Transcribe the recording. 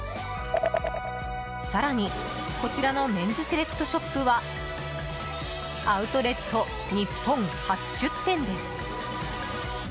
更に、こちらのメンズセレクトショップはアウトレット日本初出店です。